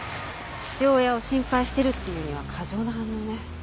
父親を心配してるって言うには過剰な反応ね。